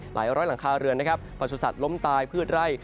หลายร้อยหลังคาเรือนปัจจุศัตริย์ล้มตายพืชไร่